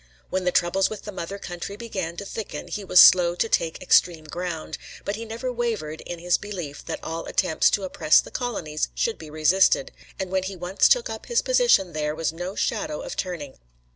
When the troubles with the mother country began to thicken he was slow to take extreme ground, but he never wavered in his belief that all attempts to oppress the colonies should be resisted, and when he once took up his position there was no shadow of turning.